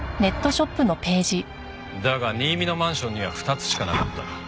だが新見のマンションには２つしかなかった。